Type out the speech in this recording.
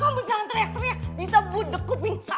kamu jangan teriak teriak bisa budekku pingsan